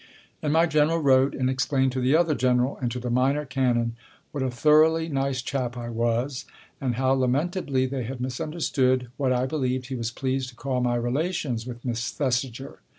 And my General wrote and explained to the other General and to the Minor Canon what a thoroughly nice chap I was, and how lamentably they had misunderstood what I believed he was pleased to call my relations with Miss Thesiger.